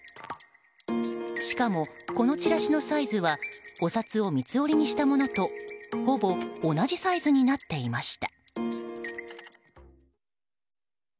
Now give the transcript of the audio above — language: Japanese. しかも、このチラシのサイズはお札を三つ折りにしたものとほぼ同じサイズになっていました。